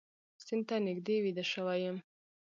سیند ته نږدې ویده شوی یم